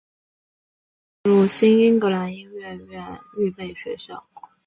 后进入新英格兰音乐院预备学校。